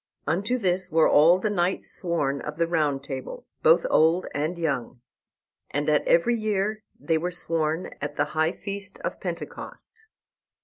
Unto this were all the knights sworn of the Table Round, both old and young. And at every year were they sworn at the high feast of Pentecost.